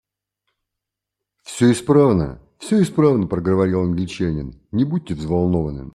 Всё исправно, всё исправно, — проговорил Англичанин, — не будьте взволнованы.